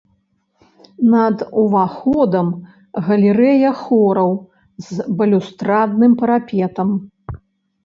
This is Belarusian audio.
Над уваходам галерэя хораў з балюстрадным парапетам.